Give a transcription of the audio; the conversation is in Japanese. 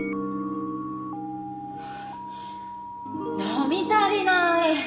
飲み足りない。